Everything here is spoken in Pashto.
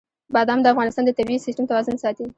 بادام د افغانستان د طبعي سیسټم توازن ساتي.